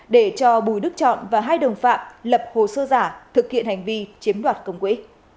để cho bùi đức chọn và hai đồng phạm lập hồ sơ giả thực hiện hành vi chiếm đoạt công quỹ